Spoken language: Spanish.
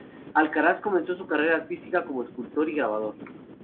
Alcaraz comenzó su carrera artística como escultor y grabador.